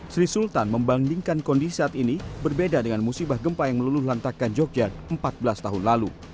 sri sultan membandingkan kondisi saat ini berbeda dengan musibah gempa yang meluluh lantakan jogja empat belas tahun lalu